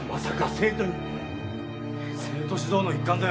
生徒指導の一環だよ。